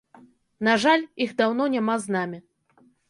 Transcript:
На жаль, іх даўно няма з намі.